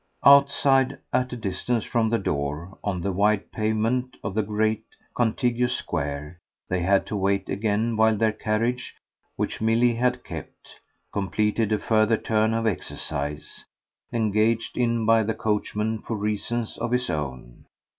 Outside, at a distance from the door, on the wide pavement of the great contiguous square, they had to wait again while their carriage, which Milly had kept, completed a further turn of exercise, engaged in by the coachman for reasons of his own.